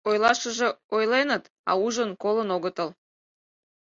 Ойлашыже ойленыт, а ужын-колын огытыл.